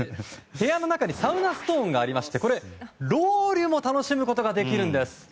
部屋の中にサウナストーンがありましてロウリュも楽しむことができるんです。